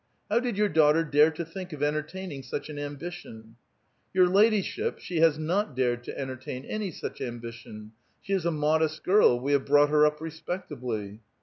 How did your daughter dare to think of entertaining such an ambition ?"" Your ladyship, she has not dared to entertain any such ambition. She is a modest girl ; we have brought her up respectably."